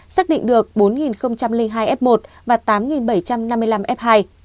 xác định được bốn hai f một và tám bảy trăm năm mươi năm f hai